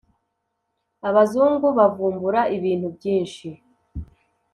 abazungu bavumbura ibintu byinshi